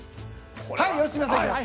はい良純さんいきます！